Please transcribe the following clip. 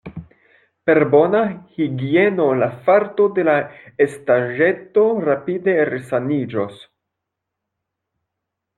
Per bona higieno la farto de la estaĵeto rapide resaniĝos.